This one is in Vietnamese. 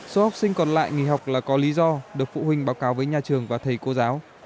số học sinh còn lại nghỉ học là có lý do được phụ huynh báo cáo với nhà trường và thầy cô giáo